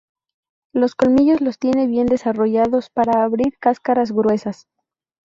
Los colmillos los tiene bien desarrollados para abrir cáscaras gruesas.